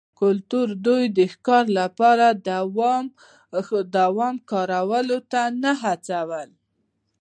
کلتور دوی د ښکار لپاره دام کارولو ته نه هڅول